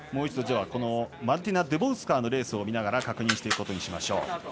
マルティナ・ドゥボウスカーのレースを見ながら確認していくことにしましょう。